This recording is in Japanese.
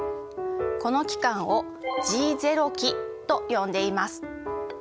この期間をＧ期と呼んでいます。